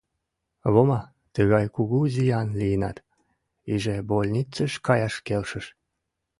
Вома, тыгай кугу зиян лийынат, иже больницыш каяш келшыш...